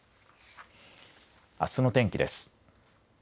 あすの天気です。